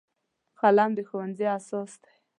قلم د ښوونځي اساس دی